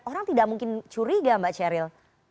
orang tidak mungkin curiga mbak ceril